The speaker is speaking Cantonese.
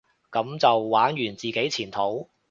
噉就玩完自己前途？